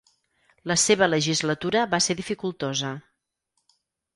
La seva legislatura va ser dificultosa.